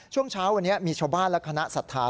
ช่วงเช้าวันนี้มีชาวบ้านและคณะศรัทธา